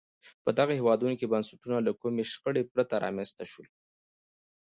په دغو هېوادونو کې بنسټونه له کومې شخړې پرته رامنځته شول.